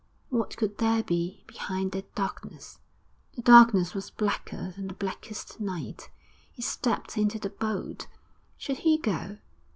What could there be behind that darkness? The darkness was blacker than the blackest night. He stepped into the boat. Should he go?